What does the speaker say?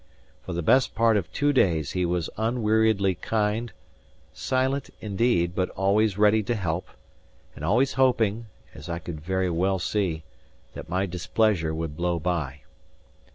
For the best part of two days he was unweariedly kind; silent, indeed, but always ready to help, and always hoping (as I could very well see) that my displeasure would blow by.